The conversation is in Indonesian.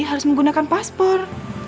harus menggunakan paspor